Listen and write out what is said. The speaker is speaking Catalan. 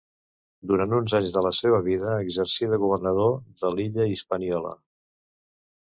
Durant uns anys de la seva vida exercí de governador de l'illa Hispaniola.